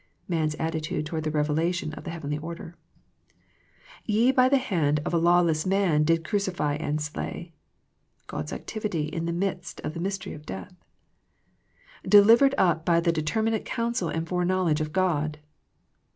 Man's attitude towards the revelation of the heavenly order —" ye by the hand of law less men did crucify and slay," God's activity in the midst of the mystery of death —" delivered up by the determinate counsel and foreknowledge of God."